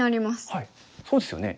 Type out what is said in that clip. はいそうですよね。